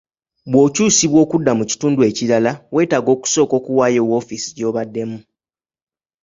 Bw'okyusibwa okudda mu kitundu ekirala, weetaaga okusooka okuwaayo woofiisi gy'obaddemu.